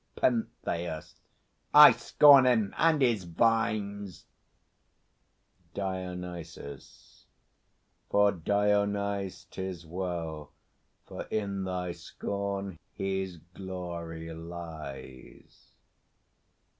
PENTHEUS. I scorn him and his vines! DIONYSUS. For Dionyse 'Tis well; for in thy scorn his glory lies.